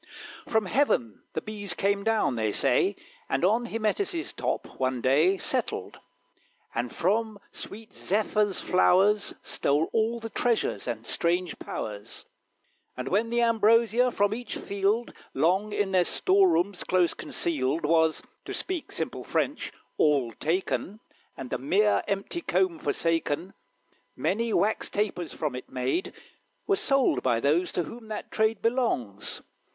From heaven the Bees came down, they say, And on Hymettus' top, one day, Settled, and from sweet Zephyr's flowers Stole all the treasures and strange powers; And when th' ambrosia from each field, Long in their store rooms close concealed, Was, to speak simple French, all taken, And the mere empty comb forsaken, Many Wax Tapers, from it made, Were sold by those to whom that trade Belongs.